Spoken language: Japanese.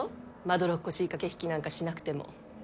まどろっこしい駆け引きなんかしなくても。